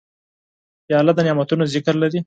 پیاله د نعتونو ذکر لري.